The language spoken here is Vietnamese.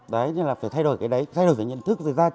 phải thay đổi cái đấy thay đổi về nhận thức